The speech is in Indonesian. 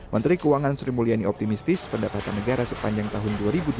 menteri keuangan sri mulyani optimistis pendapatan negara sepanjang tahun dua ribu dua puluh